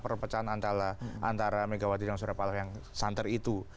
perpecahan antara megawati dan suryapaloh yang santer itu